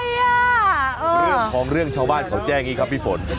เรื่องของเรื่องชาวบ้านเขาแจ้งอย่างนี้ครับพี่ฝน